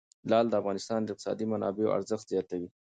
لعل د افغانستان د اقتصادي منابعو ارزښت زیاتوي.